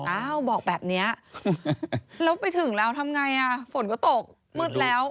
อ้าวบอกแบบนี้แล้วไปถึงแล้วทำไงอ่ะฝนก็ตกมืดแล้ว